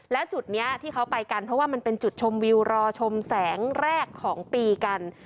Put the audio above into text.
แล้วจุดนี้ที่เขาไปกันเพราะว่ามันเป็นจุดชมวิวรอชมแสงแรกของปีกัน